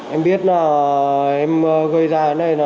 em biết là em gây ra